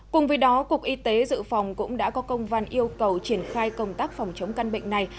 cùng với đó cục y tế dự phòng cũng đã có công văn yêu cầu triển khai công tác phòng chống căn bệnh này